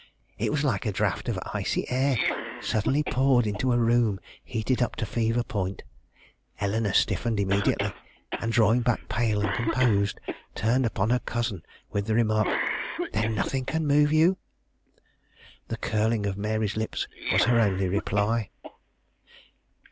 It was like a draught of icy air suddenly poured into a room heated up to fever point. Eleanore stiffened immediately, and drawing back, pale and composed, turned upon her cousin with the remark: "Then nothing can move you?" The curling of Mary's lips was her only reply.